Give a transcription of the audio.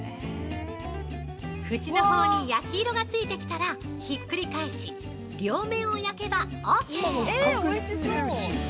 ◆ふちのほうに焼き色がついてきたら、ひっくり返し、両面を焼けばオーケー！